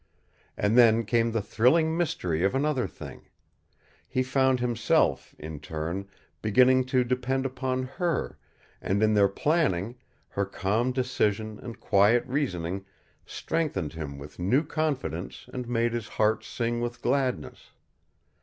And then came the thrilling mystery of another thing. He found himself, in turn, beginning to depend upon her, and in their planning her calm decision and quiet reasoning strengthened him with new confidence and made his heart sing with gladness.